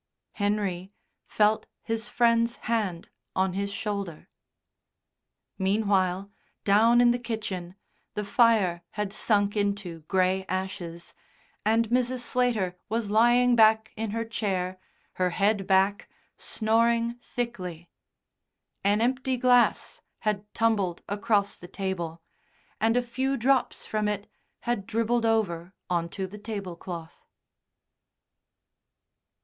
Henry felt his Friend's hand on his shoulder. Meanwhile, down in the kitchen, the fire had sunk into grey ashes, and Mrs. Slater was lying back in her chair, her head back, snoring thickly; an empty glass had tumbled across the table, and a few drops from it had dribbled over on to the tablecloth.